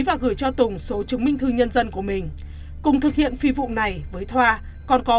và gửi cho tùng số chứng minh thư nhân dân của mình cùng thực hiện phi vụ này với thoa còn có